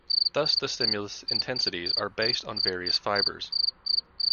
Thus, the stimulus intensities are based on various fibers.